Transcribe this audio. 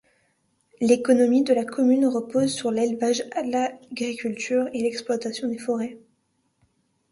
L'économie de la commune repose sur l'élevage, l'agriculture et l'exploitation des forêts.